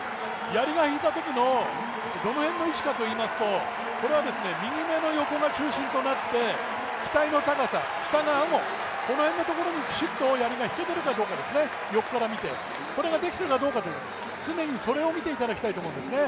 やりが引いたときの、どの辺の位置かといいますと、右目の横が中心となって額の高さ、下側のあご、この辺のところに、きちっとやりが引けているかどうかですね、これができてるかどうか常にそれを見てもらいたいと思います。